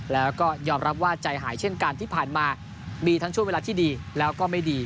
แล้วก็ยอมรับว่าใจหายเช่นกันที่ผ่านมามีทั้งช่วงเวลาที่ดีแล้วก็ไม่ดี